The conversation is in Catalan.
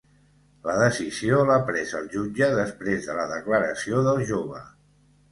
La decisió l'ha pres el jutge després de la declaració del jove